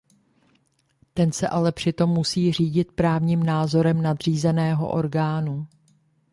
Ten se ale přitom musí řídit právním názorem nadřízeného orgánu.